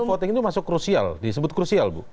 jadi e voting itu masuk krusial disebut krusial bu